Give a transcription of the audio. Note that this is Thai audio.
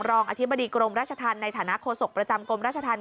รองอธิบดีกรมราชธรรมในฐานะโฆษกประจำกรมราชธรรม